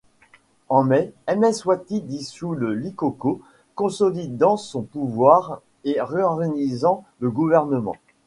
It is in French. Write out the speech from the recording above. En mai, Mswati dissout le Liqoqo, consolidant son pouvoir et réorganisant le gouvernement.